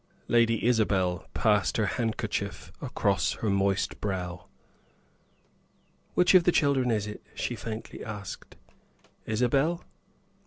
Lady Isabel passed her handkerchief across her moist brow. "Which of the children is it?" she faintly asked. "Isabel?"